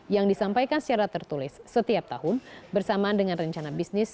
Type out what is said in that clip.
yang disampaikan secara tertulis setiap tahun bersamaan dengan rencana bisnis